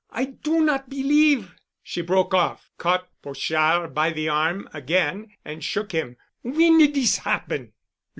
I do not believe——" She broke off, caught Pochard by the arm again and shook him. "When did this happen?"